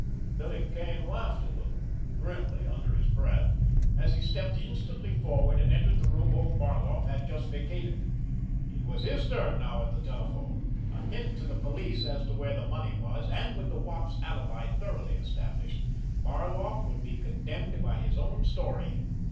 Billy Kane laughed a little, grimly under his breath, as he stepped instantly forward and entered the room old Barloff had just vacated. It was his turn now at the telephone! A hint to the police as to where the money was, and, with the Wop's alibi thoroughly established, Barloff would be condemned by his own story.